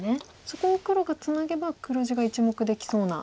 そこを黒がツナげば黒地が１目できそうな。